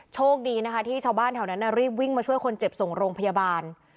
โชคดีนะคะที่ชาวบ้านแถวนั้นรีบวิ่งมาช่วยคนเจ็บส่งโรงพยาบาล